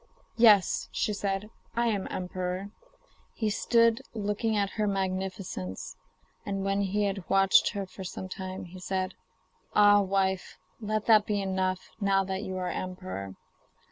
'Yes,' she said, 'I am emperor.' He stood looking at her magnificence, and when he had watched her for some time, said: 'Ah, wife, let that be enough, now that you are emperor.